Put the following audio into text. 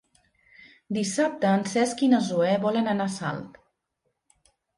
Dissabte en Cesc i na Zoè volen anar a Salt.